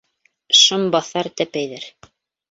Шымбаҫар тәпәйҙәр